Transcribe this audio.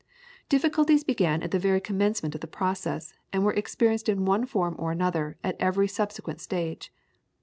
Difficulties began at the very commencement of the process, and were experienced in one form or another at every subsequent stage.